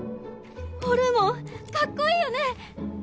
「ホルモンカッコいいよね！」